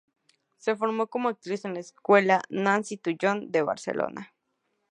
Se formó como actriz en la Escuela Nancy Tuñón de Barcelona.